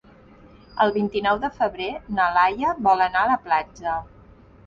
El vint-i-nou de febrer na Laia vol anar a la platja.